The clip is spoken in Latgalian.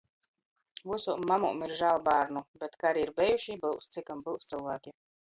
Vysom mamom ir žāl bārnu, bet kari ir bejuši i byus, cikom byus cylvāki.